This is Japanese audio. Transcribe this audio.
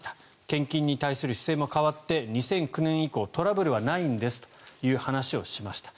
献金に対する姿勢も変わって２００９年以降トラブルはないんですという話をしました。